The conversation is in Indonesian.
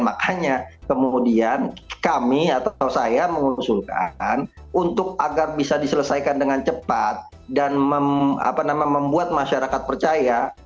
makanya kemudian kami atau saya mengusulkan untuk agar bisa diselesaikan dengan cepat dan membuat masyarakat percaya